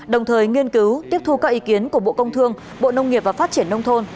đồng thời nghiên cứu tiếp thu các ý kiến của bộ công thương bộ nông nghiệp và phát triển nông thôn